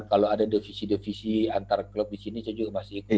kalau ada divisi devisi antar klub di sini saya juga masih ikut